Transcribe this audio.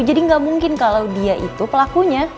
jadi nggak mungkin kalau dia itu pelakunya